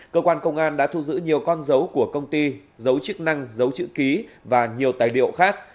cơ quan công an đã thu giữ nhiều con dấu của công ty dấu chức năng giấu chữ ký và nhiều tài liệu khác